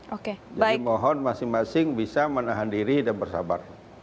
jadi mohon masing masing bisa menahan diri dan bersabar